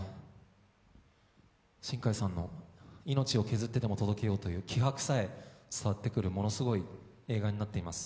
新海さんの命を削ってでも届けようという気迫さえ伝わってくるものすごい映画になっています。